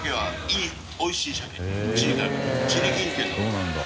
そうなんだ。